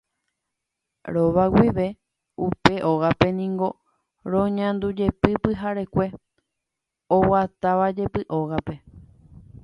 Rova guive upe ógape niko roñandújepi pyharekue oguatávajepi ógape.